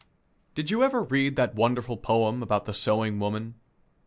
Did you ever read that wonderful poem about the sewing woman?